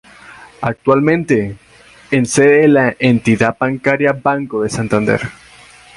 Actualmente, es sede de la entidad bancaria Banco de Santander.